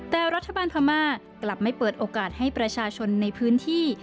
แต่รัฐบาลพม่ากลับไม่เปิดโอกาสให้ประชาชนในพื้นที่